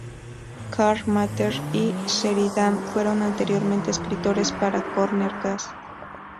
Carr, Mather y Sheridan fueron anteriormente escritores para "Corner Gas".